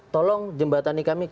tolong jembatani kami ke